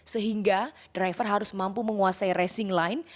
sehingga driver harus mampu menguasai racing line